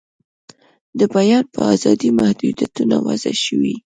د بیان په آزادۍ محدویتونه وضع شوي.